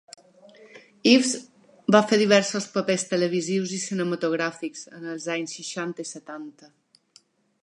Ives va fer diversos papers televisius i cinematogràfics en els anys seixanta i setanta.